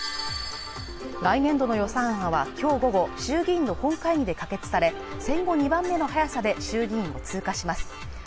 来年度の予算案はきょう午後衆議院の本会議で可決され戦後２番目の早さで衆議院を通過します